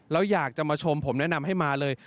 แล้วอยากจะมาชมผมแนะนำให้มาเลย